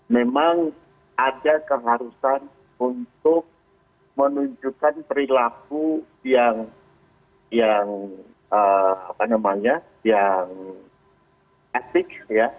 memang ada keharusan untuk menunjukkan perilaku yang etik